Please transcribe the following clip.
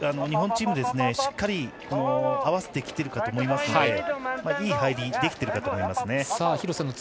日本チームはしっかり合わせてきているかと思いますのでいい入りができていると思います。